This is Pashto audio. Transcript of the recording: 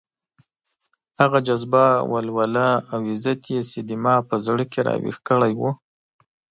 هغه جذبه، ولوله او عزت يې چې زما په زړه کې راويښ کړی وو.